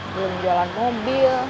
belum jalan mobil